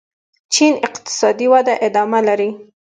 چین اقتصادي وده ادامه لري.